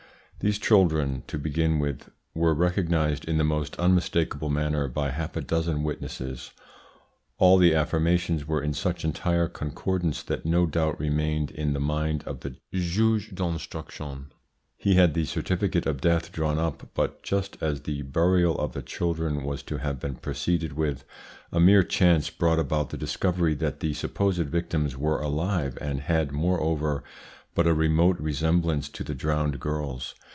These children, to begin with, were recognised in the most unmistakable manner by half a dozen witnesses. All the affirmations were in such entire concordance that no doubt remained in the mind of the juge d'instruction. He had the certificate of death drawn up, but just as the burial of the children was to have been proceeded with, a mere chance brought about the discovery that the supposed victims were alive, and had, moreover, but a remote resemblance to the drowned girls.